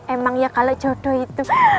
emang ya kalau jodoh itu